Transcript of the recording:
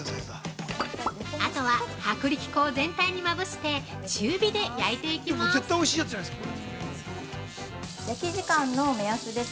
◆あとは薄力粉を全体にまぶして中火で焼いていきます。